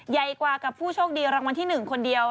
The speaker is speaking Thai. ใหญ่กว่ากับผู้โชคดีรางวัลที่๑คนเดียว